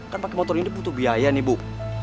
kan pakai motor ini butuh biaya nih bu